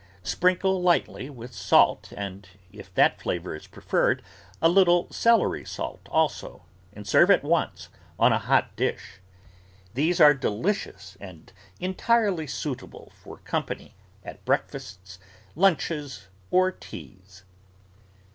Sprin kle lightly with salt and if that flavour is preferred a little celery salt also and serve at once on a hot dish. These are delicious and entirely suitable for company at breakfasts, lunches, or teas.